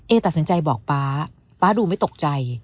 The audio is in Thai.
ตัดสินใจบอกป๊าป๊าดูไม่ตกใจ